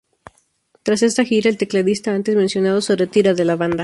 Tras esta gira, el tecladista antes mencionado, se retira de la banda.